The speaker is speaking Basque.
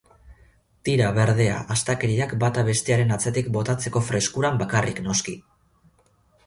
Tira, berdea, astakeriak bata bestearen atzetik botatzeko freskuran bakarrik, noski.